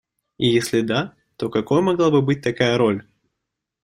И если да, то какой могла бы быть такая роль?